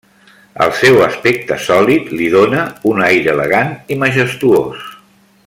El seu aspecte sòlid li dóna un aire elegant i majestuós.